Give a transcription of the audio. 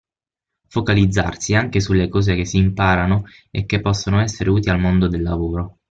Focalizzarsi anche sulle cose che si imparano e che possono essere utili al mondo del lavoro.